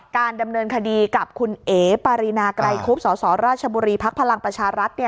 การดำเนินคดีกับคุณเอ๊ปรินาไกรคุบสรบพลังประชารัฐ